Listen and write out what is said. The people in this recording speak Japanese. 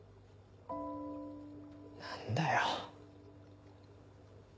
何だよ。